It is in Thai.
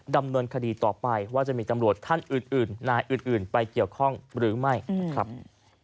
ดำเนินคดีต่อไปว่าจะมีตำรวจท่านอื่นนายอื่นไปเกี่ยวข้องหรือไม่นะครับ